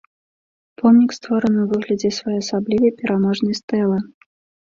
Помнік створаны ў выглядзе своеасаблівай пераможнай стэлы.